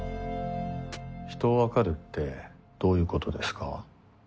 人を分かるってどういうことですか？